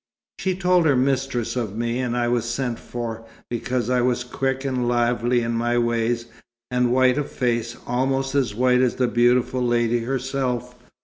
She told her mistress of me, and I was sent for, because I was quick and lively in my ways, and white of face, almost as white as the beautiful lady herself.